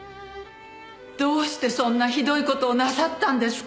どうしてそんなひどい事をなさったんですか？